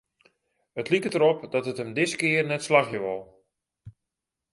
It liket derop dat it him diskear net slagje wol.